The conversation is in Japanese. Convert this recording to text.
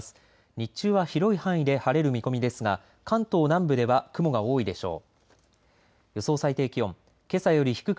日中は広い範囲で晴れる見込みですが関東南部では雲が多いでしょう。